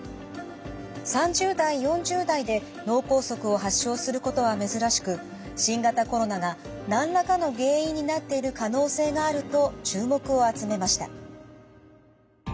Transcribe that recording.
３０代４０代で脳梗塞を発症することは珍しく新型コロナが何らかの原因になっている可能性があると注目を集めました。